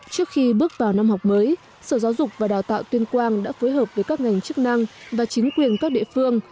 trước khi bước vào năm học mới sở giáo dục và đào tạo tuyên quang đã phối hợp với các ngành chức năng và chính quyền các địa phương